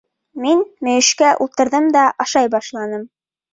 Мин мөйөшкә ултырҙым да ашай башланым.